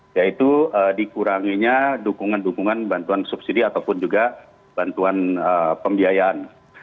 yaitu dikuranginya dukungan dukungan bantuan subsidi ataupun juga bantuan pembiayaan